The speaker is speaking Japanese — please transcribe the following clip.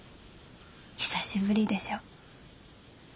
久しぶりでしょ。